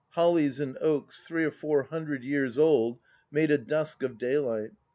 Hollies and oaks, three or four hundred years old, made a dusk of daylight.